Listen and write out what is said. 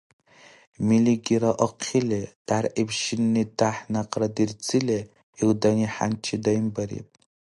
Милигира ахъили, дяргӀиб шинни дяхӀ-някъра дирцили, илдани хӀянчи даимбариб.